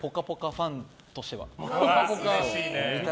ファンとしては。